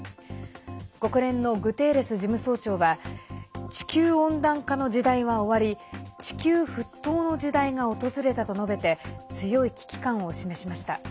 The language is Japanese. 国連のグテーレス事務総長は地球温暖化の時代は終わり地球沸騰の時代が訪れたと述べて強い危機感を示しました。